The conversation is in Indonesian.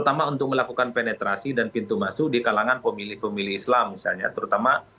terutama untuk melakukan penetrasi dan pintu masuk di kalangan pemilih pemilih islam misalnya terutama